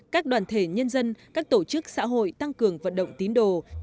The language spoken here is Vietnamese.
các đoàn thể nhân dân các tổ chức xã hội tăng cường vận động tín đồ